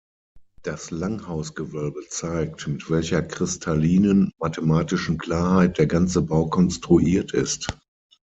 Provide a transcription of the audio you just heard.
Das Langhausgewölbe zeigt, mit welcher kristallinen, mathematischen Klarheit der ganze Bau konstruiert ist.